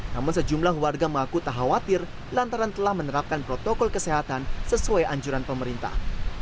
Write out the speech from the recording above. namun sejumlah warga mengaku tak khawatir lantaran telah menerapkan protokol kesehatan sesuai anjuran pemerintah